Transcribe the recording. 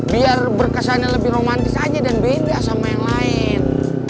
biar berkesannya lebih romantis aja dan beda sama yang lain